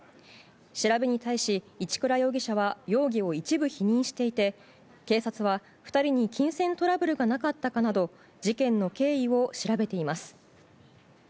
調べに対し、一倉容疑者は容疑を一部否認していて警察は、２人に金銭トラブルがなかったかなど事件の経緯を調べています。